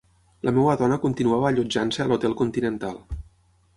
La meva dona continuava allotjant-se a l'Hotel Continental